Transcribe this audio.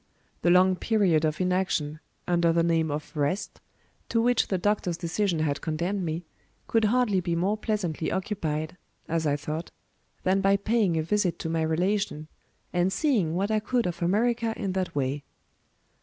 The long period of inaction, under the name of rest, to which the doctor's decision had condemned me, could hardly be more pleasantly occupied, as I thought, than by paying a visit to my relation, and seeing what I could of America in that way.